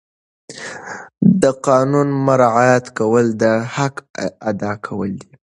د قانون مراعات کول د حق ادا کول دي.